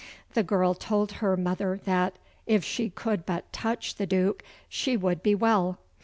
The girl told her mother that, if she could but touch the Duke she would be well.